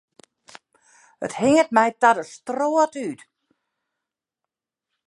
It hinget my ta de strôt út.